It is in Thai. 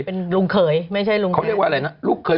เป็นลูกเขยไม่ใช่ลูกเขย